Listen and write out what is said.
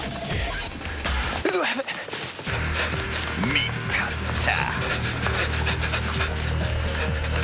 ［見つかった］